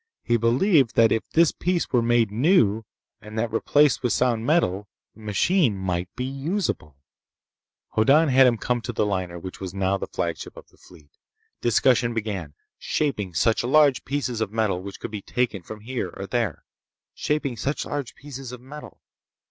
He believed that if this piece were made new, and that replaced with sound metal, the machine might be usable! Hoddan had him come to the liner which was now the flagship of the fleet. Discussion began. Shaping such large pieces of metal which could be taken from here or there—shaping such large pieces of metal....